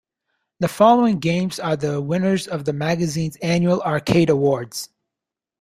The following games are the winners of the magazine's annual Arcade Awards.